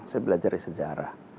saya belajar dari sejarah